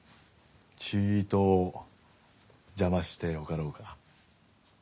ちぃと邪魔してよかろうか。